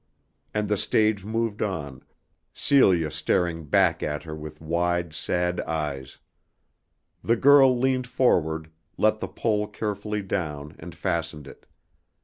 And the stage moved on, Celia staring back at her with wide sad eyes. The girl leaned forward, let the pole carefully down and fastened it.